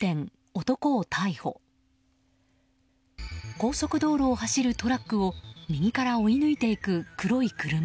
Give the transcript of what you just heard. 高速道路を走るトラックを右から追い抜いていく黒い車。